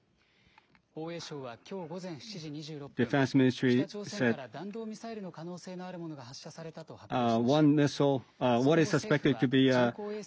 防衛省はきょう午前７時２６分、北朝鮮から弾道ミサイルの可能性のあるものが発射されたと発表しました。